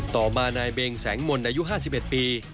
ต่อมานายเบงแสงมนต์อายุ๕๑ปี